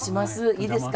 いいですか？